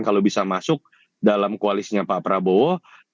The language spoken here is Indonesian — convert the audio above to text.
kalau bisa masuk dalam koalisinya pak prabowo